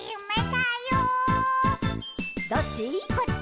「こっち？」